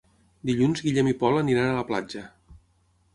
Dilluns en Guillem i en Pol iran a la platja.